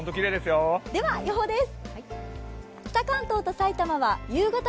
では、予報です。